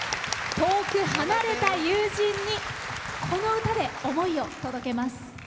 遠く離れた友人にこの歌で思いを届けます。